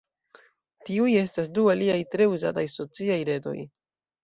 Tiuj estas du aliaj tre uzataj sociaj retoj.